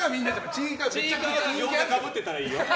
ちいかわがギョーザかぶってたらいいよ。